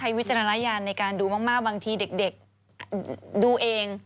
เลือกลีกลางที่จะดูเองทำเองอะไรอย่างนี้